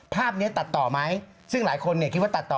ภาพนี้ตัดต่อไหมซึ่งหลายคนเนี่ยคิดว่าตัดต่อ